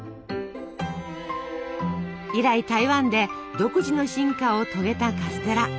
以来台湾で独自の進化を遂げたカステラ。